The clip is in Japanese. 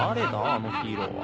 あのヒーローは。